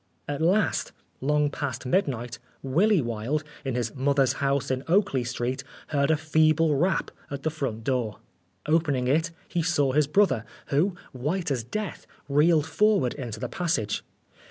At last, long past midnight, Willy Wilde, in 154 Oscar Wilde his mother's house in Oakley Street, heard a feeble rap at the front door. Opening it, he saw his brother, who, white as death, reeled forward into the passage.